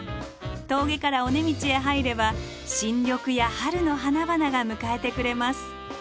峠から尾根道へ入れば新緑や春の花々が迎えてくれます。